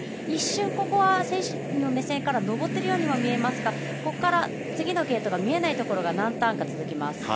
一瞬ここは選手の目線から上っているように見えますがここから次のゲートが見えないところが何ターンか続きます。